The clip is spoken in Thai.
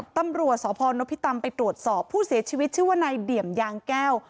ตำรวจสพนพิตำไปตรวจสอบผู้เสียชีวิตชื่อว่านายเดี่ยมยางแก้ว